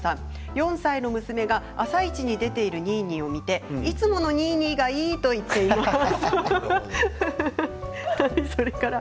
「あさイチ」に出ているニーニーを見ていつものニーニーがいいと言っています。